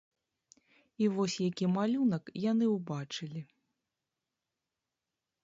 І вось які малюнак яны ўбачылі.